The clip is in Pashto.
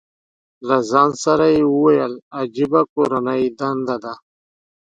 له ځان سره یې وویل، عجیبه کورنۍ دنده ده.